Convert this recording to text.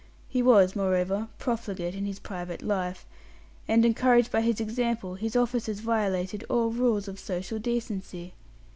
He was, moreover, profligate in his private life; and, encouraged by his example, his officers violated all rules of social decency.